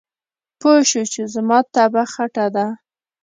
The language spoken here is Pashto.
پوی شو چې زما طبعه خټه ده.